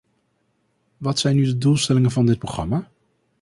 Wat zijn nu de doelstellingen van dit programma?